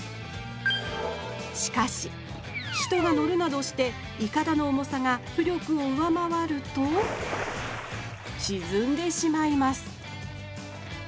しかし人が乗るなどしていかだの重さが浮力を上回るとしずんでしまいます